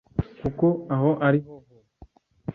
kuko aho ari ho ho